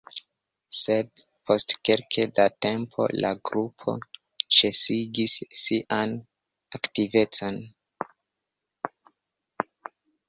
Sed, post kelke da tempo la grupo ĉesigis sian aktivecon.